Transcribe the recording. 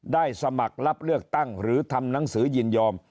สมัครรับเลือกตั้งหรือทำหนังสือยินยอม